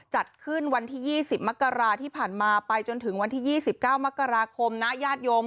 จัดขึ้นวันที่๒๐มกราที่ผ่านมาไปจนถึงวันที่๒๙มกราคมนะญาติโยม